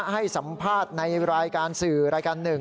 ให้สัมภาษณ์ในรายการสื่อรายการหนึ่ง